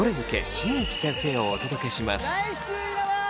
新内先生」をお届けします。